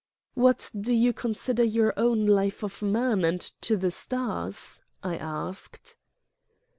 "What do you consider your own 'Life of Man* and 'To the Stars'?" I asked.